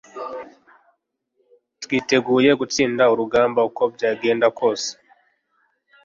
twiteguye gutsinda urugamba uko byagenda kose